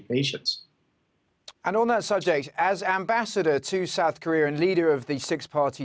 dan di atas subjek itu sebagai ambasador untuk korea selatan dan pemimpin talk six party